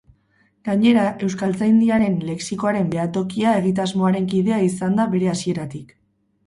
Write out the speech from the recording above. Gainera Euskaltzaindiaren Lexikoaren Behatokia egitasmoaren kidea izan da bere hasieratik.